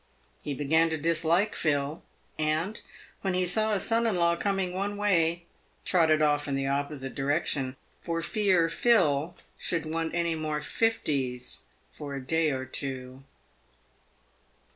He began to dislike Phil, and, when he saw his son in law coming one way, trotted off" in the opposite direction, for fear Phil should want any more fifties " for a day or two."